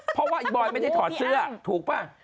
เพราะว่าอีบอยไม่ได้ถอดเสื้อถูกป่ะ